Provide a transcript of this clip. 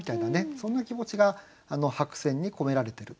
そんな気持ちが白線に込められていると。